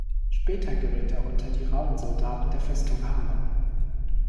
Später gerät er unter die rauen Soldaten der Festung Hanau.